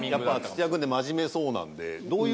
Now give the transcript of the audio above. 土屋君って真面目そうなんで。